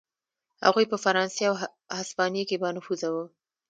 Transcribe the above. هغوی په فرانسې او هسپانیې کې بانفوذه و.